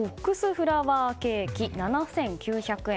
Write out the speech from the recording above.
フラワーケーキ７９００円。